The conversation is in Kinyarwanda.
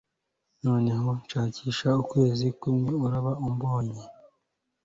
Noneho unshakishe ukwezi, kumwe uraba umbonye